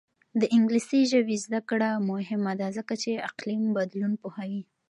د انګلیسي ژبې زده کړه مهمه ده ځکه چې اقلیم بدلون پوهوي.